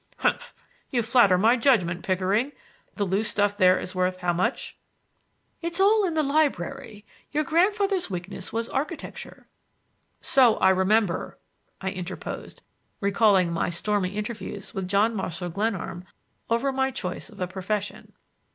"Humph! You flatter my judgment, Pickering. The loose stuff there is worth how much?" "It's all in the library. Your grandfather's weakness was architecture—" "So I remember!" I interposed, recalling my stormy interviews with John Marshall Glenarm over my choice of a profession.